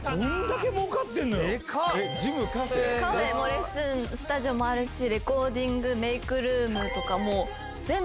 レッスンスタジオもあるしレコーディングメイクルームとか全部。